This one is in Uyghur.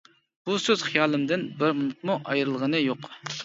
بۇ سۆز خىيالىمدىن بىر مىنۇتمۇ ئايرىلغىنى يوق.